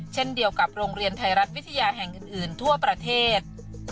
เช่นเดียวกับโรงเรียนไทยรัฐวิทยาแห่งอื่นทั่วประเทศ